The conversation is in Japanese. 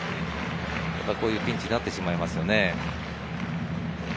こういうピンチになってしまいますよね。